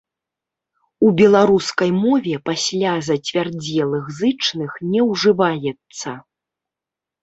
У беларускай мове пасля зацвярдзелых зычных не ўжываецца.